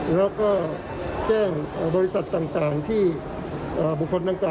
แล้วก็แจ้งบริษัทต่างที่บุคคลดังกล่า